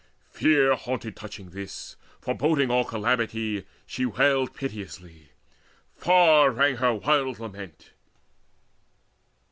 Fear haunted touching this, Foreboding all calamity, she wailed Piteously; far rang her wild lament.